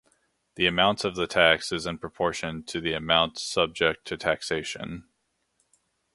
The amount of the tax is in proportion to the amount subject to taxation.